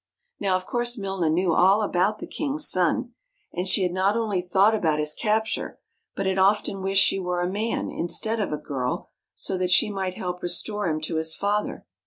Now of course Milna knew all about the king's son; and she had not only thought about his capture, but had often wished she were a man, instead of a girl, so that she might help restore him to his father.